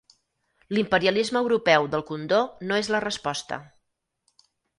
L'imperialisme europeu del condó no és la resposta.